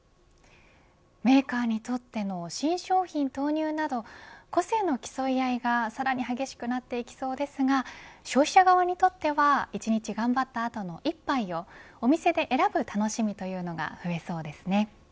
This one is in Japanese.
メーカーにとっての新商品の投入など個性の競い合いがさらに激しくなっていきそうですが消費者側にとっては１日頑張った後の一杯をお店で選ぶ楽しみが増えそうですね。